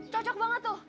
cocok banget tuh